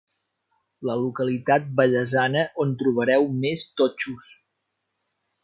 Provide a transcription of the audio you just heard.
La localitat vallesana on trobareu més totxos.